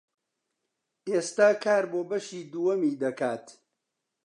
ئێستا کار بۆ بەشی دووەمی دەکات.